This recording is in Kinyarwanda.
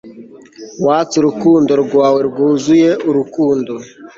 twas urukundo rwawe rwuzuye urukundo